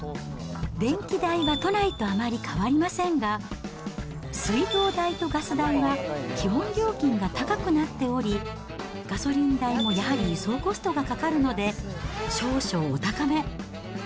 電気代は都内とあまり変わりませんが、水道代とガス代は基本料金が高くなっており、ガソリン代もやはり輸送コストがかかるので、少々お高め。